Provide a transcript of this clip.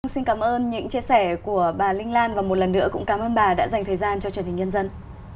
xin cảm ơn những chia sẻ của bà linh lan và một lần nữa cũng cảm ơn bà đã dành thời gian cho truyền hình nhân dân